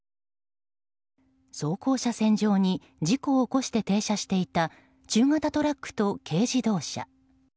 走行車線上に事故を起こして停車していた中型トラックと軽自動車。